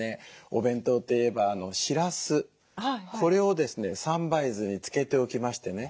お弁当といえばしらすこれをですね３杯酢に漬けておきましてね